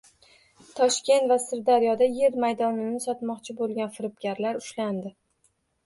Toshkent va Sirdaryoda yer maydonini sotmoqchi bo‘lgan firibgarlar ushlandi